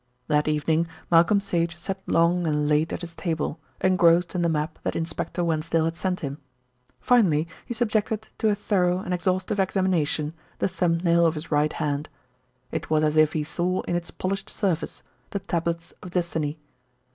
That evening Malcolm Sage sat long and late at his table, engrossed in the map that Inspector Wensdale had sent him. Finally he subjected to a thorough and exhaustive examination the thumb nail of his right hand. It was as if he saw in its polished surface the tablets of destiny.